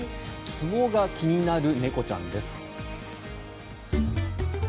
つぼが気になる猫ちゃんです。